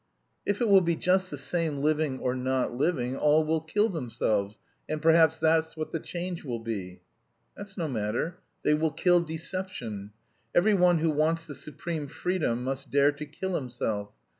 "If it will be just the same living or not living, all will kill themselves, and perhaps that's what the change will be?" "That's no matter. They will kill deception. Every one who wants the supreme freedom must dare to kill himself.